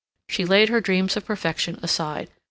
She laid her dreams of perfection aside.